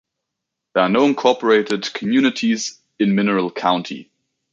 There are no incorporated communities in Mineral County.